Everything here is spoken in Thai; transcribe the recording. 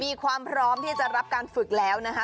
มีความพร้อมที่จะรับการฝึกแล้วนะคะ